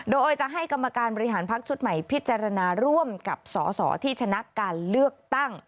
โดยจะให้กรรมการบริหารพักชุดใหม่พิจารณาร่วมกับสสที่ชนะการเลือกตั้ง